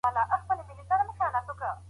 زه به په لږو قناعت کوم.